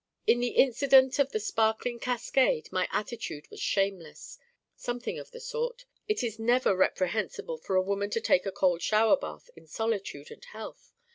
In the incident of the sparkling cascade my attitude was shameless: something of the sort. It is never reprehensible for a woman to take a cold shower bath in solitude and health.